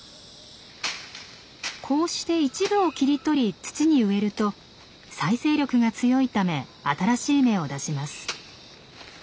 こうして一部を切り取り土に植えると再生力が強いため新しい芽を出します。